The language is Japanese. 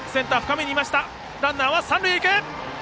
ランナーは三塁へ。